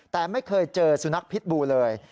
แต่ไม่เคยเจอสุนัขพิษบูเลย